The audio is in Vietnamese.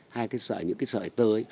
hai cái sợi những cái sợi tơ ấy